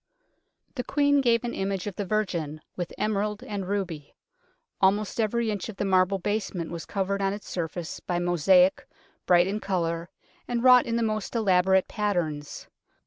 The Queen gave an image of the Virgin, with emerald and ruby. Almost every inch of the marble basement was covered on its surface by mosaic, bright in colour, and wrought in the most elaborate patterns.